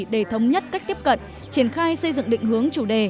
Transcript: để thống nhất cách tiếp cận triển khai xây dựng định hướng chủ đề